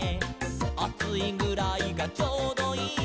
「『あついぐらいがちょうどいい』」